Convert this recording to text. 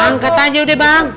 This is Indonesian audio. angkat aja udah bang